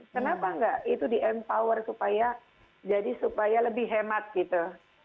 kenapa enggak itu di empower supaya jadi supaya lebih hemat gitu